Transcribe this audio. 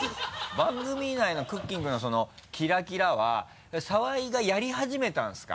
番組内のクッキングのその「キラキラ」は澤井がやり始めたんですか？